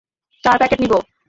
চার প্যাকেট নিবো।